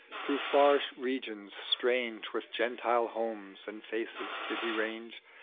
Through far regions, atrange With Gentile homes and faces, did be range.